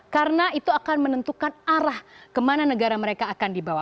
karena itu akan menentukan arah kemana negara mereka akan dibawa